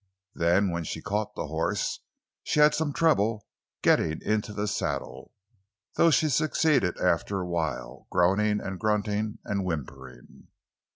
Then, when she caught the horse, she had some trouble getting into the saddle, though she succeeded after a while, groaning, and grunting, and whimpering.